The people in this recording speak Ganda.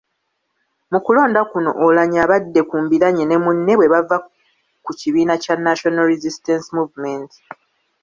Mu kulonda kuno Oulanyah abadde ku mbiranye ne munne bwe bava ku kibiina kya National Resistance Movement.